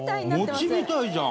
餅みたいじゃん！